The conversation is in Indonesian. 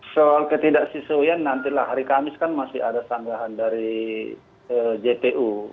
soal ketidaksesuaian nantilah hari kamis kan masih ada sanggahan dari jpu